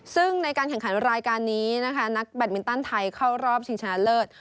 ซึ่งในการแข่งขันรายการนี้นะคะนักแบตมินตันไทยเข้ารอบชิงชนะเลิศ